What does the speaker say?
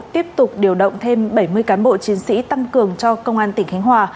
tiếp tục điều động thêm bảy mươi cán bộ chiến sĩ tăng cường cho công an tỉnh khánh hòa